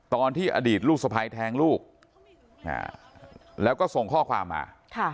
ตอนที่อดีตลูกสะพ้ายแทงลูกแล้วก็ส่งข้อความมา